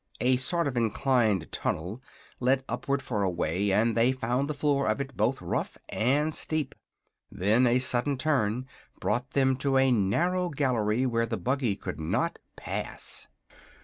A sort of inclined tunnel led upward for a way, and they found the floor of it both rough and steep. Then a sudden turn brought them to a narrow gallery where the buggy could not pass.